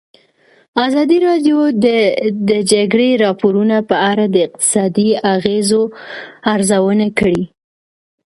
ازادي راډیو د د جګړې راپورونه په اړه د اقتصادي اغېزو ارزونه کړې.